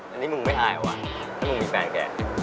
อันนี้มึงไม่อายว่ะมึงมีแฟนแก